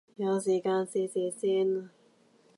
有時間試試先